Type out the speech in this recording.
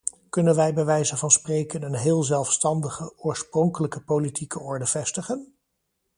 Kunnen wij bij wijze van spreken een heel zelfstandige, oorspronkelijke politieke orde vestigen?